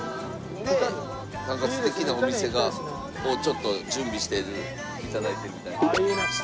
でなんか素敵なお店をちょっと準備していただいてるみたいなんで。